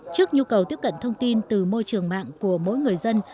trước nhu cầu tiếp cận thông tin từ môi trường mạng của mỗi người dân